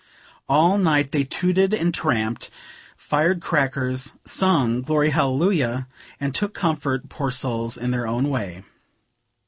All night they tooted and tramped, fired crackers, sung "Glory, Hallelujah," and took comfort, poor souls! in their own way.